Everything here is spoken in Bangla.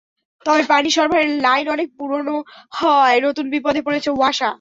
তবে পানি সরবরাহের লাইন অনেক পুরোনো হওয়ায় নতুন বিপদে পড়েছে ওয়াসা।